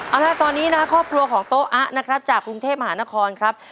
เอาละตอนนี้นะครอบครัวของโต๊ะอะนะครับจากกรุงเทพมหานครครับ